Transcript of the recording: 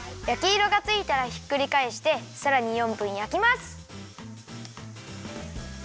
やきいろがついたらひっくりかえしてさらに４分やきます。